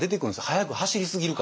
速く走りすぎるから。